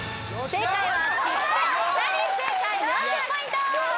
正解は「切手」２人正解４０ポイント！